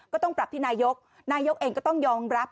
ก็ต้องปรับที่นายกนายกเองก็ต้องยอมรับ